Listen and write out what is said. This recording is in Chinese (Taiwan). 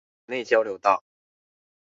湖子內交流道